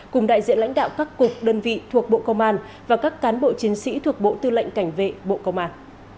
cùng đại diện lãnh đạo các cục đơn vị thuộc bộ công an và các cán bộ chiến sĩ thuộc bộ tư lệnh cảnh vệ bộ công an